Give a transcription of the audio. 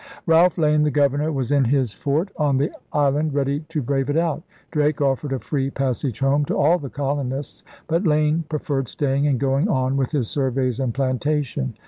Ralph Lane, the governor, was in his fort on the island ready to brave it out. Drake offered a free passage home to all the colonists. But Lane pre ferred staying and going on with his surveys and 'plantation.'